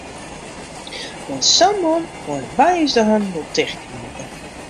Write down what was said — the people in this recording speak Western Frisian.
Mei sa'n man meie wy ús de hannen wol tichtknipe.